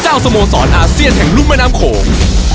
สโมสรอาเซียนแห่งรุ่มแม่น้ำโขง